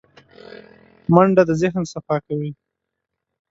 منډه د ذهن صفا کوي